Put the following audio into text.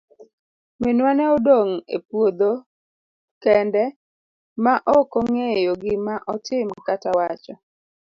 Minwa ne odong' e puodho kende ma okong'eyo gima otim kata wacho.